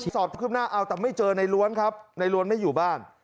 สอบขึ้นหน้าเอาแต่ไม่เจอในล้วนครับในล้วนไม่อยู่บ้าน